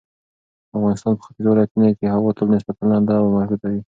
د افغانستان په ختیځو ولایتونو کې هوا تل نسبتاً لنده او مرطوبه وي.